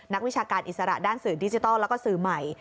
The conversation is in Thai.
วิชาการอิสระด้านสื่อดิจิทัลแล้วก็สื่อใหม่